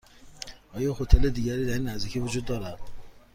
آیا هتل دیگری در این نزدیکی وجود دارد؟